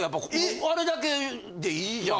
あれだけでいいやん。